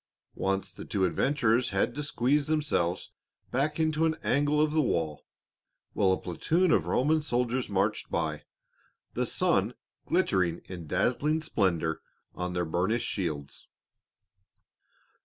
Once the two adventurers had to squeeze themselves back into an angle of the wall, while a platoon of Roman soldiers marched by, the sun glittering in dazzling splendor on their burnished shields.